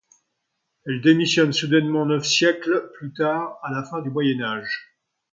Elle démissionne soudainement neuf siècles plus tard, à la fin du Moyen Âge.